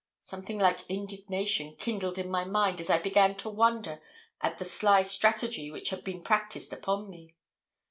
Something like indignation kindled in my mind as I began to wonder at the sly strategy which had been practised upon me.